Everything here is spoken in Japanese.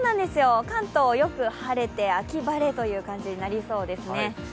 関東、よく晴れて秋晴れという感じになりそうですね。